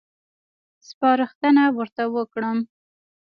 سپارښتنه ورته وکړم.